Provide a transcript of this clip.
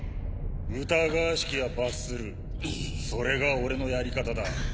疑わしきは罰するそれが俺のやり方だ。